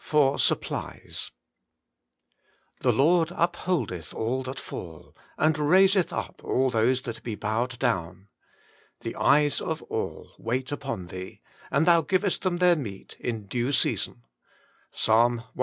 jpor Supplle0» * The Lord npholdeth all that fall, And raiseth up all those that be bowed down. The eyes of all wait upon Thee ; And Thou givest them their meat in due season.* — Ps. cxlv.